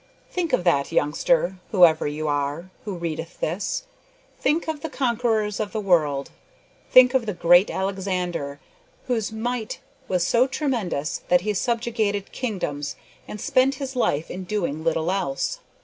Think of that, youngster, whoever you are, who readeth this. Think of the conquerors of the world. Think of the "Great" Alexander, whose might was so tremendous that he subjugated kingdoms and spent his life in doing little else.